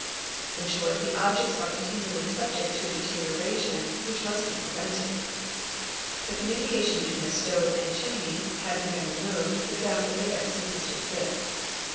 In short the objects are continually subject to a deterioration which must be prevented. 'The communication between the stove and chimney haying been removed the draft of air ceases to exist.